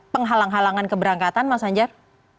penghalang halangan keberangkatan mas anjar